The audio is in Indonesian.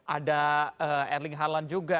ada erling haaland juga